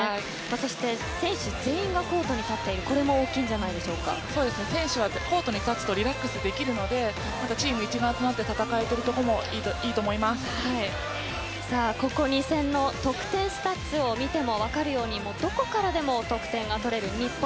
そして選手全員がコートに立っているこれも選手はコートに立つとリラックスできるのでチーム一丸となって戦えているここ２戦の得点スタッツを見ても分かるようにどこからでも得点が取れる日本。